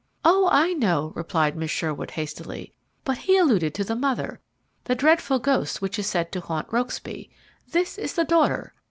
"Oh, I know," replied Miss Sherwood hastily; "but he alluded to the mother the dreadful ghost which is said to haunt Rokesby. This is the daughter.